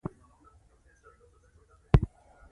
د دولت د چارو پر مخ بیولو په لاره کې یې ډېرې ستونزې وګاللې.